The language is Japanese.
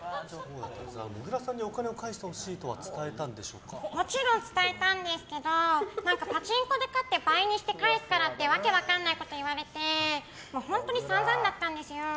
もぐらさんにお金を返してほしいとはもちろん伝えたんですけどパチンコで勝って倍にして返すからって訳分かんないこと言われて本当に散々だったんですよ。